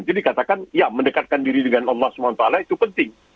jadi katakan ya mendekatkan diri dengan allah swt itu penting